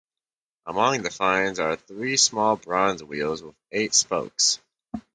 Among the finds are three small bronze wheels with eight spokes.